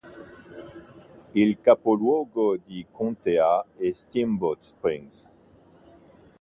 Il capoluogo di contea è Steamboat Springs.